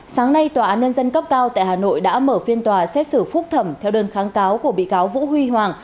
sáng nay tòa án nhân dân cấp cao tại hà nội đã mở phiên tòa xét xử phúc thẩm theo đơn kháng cáo của bị cáo vũ huy hoàng